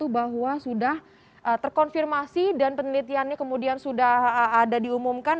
bahwa sudah terkonfirmasi dan penelitiannya kemudian sudah ada diumumkan